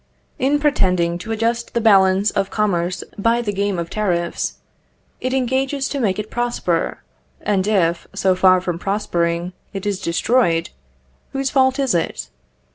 In pretending to adjust the balance of commerce by the game of tariffs, it engages to make it prosper; and if, so far from prospering, it is destroyed, whose fault is it?